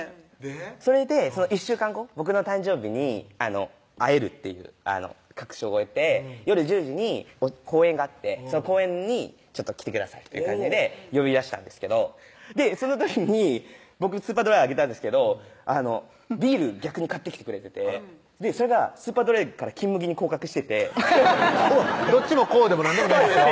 それでその１週間後僕の誕生日に会えるっていう確証を得て夜１０時に公園があって「公園に来てください」という感じで呼び出したんですけどその時に僕「スーパードライ」あげたんですけどビール逆に買ってきてくれててそれが「スーパードライ」から「金麦」に降格しててどっちも「降」でも何でもないですよ